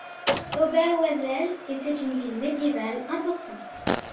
Oberwesel était une ville médiévale importante.